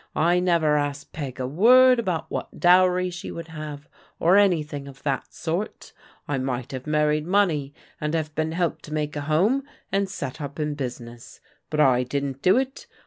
I never asked Peg a word about what dowry she would have, or anything of that sort I might have married money and have been helped to make a home, and set up in business. But I didn't do it.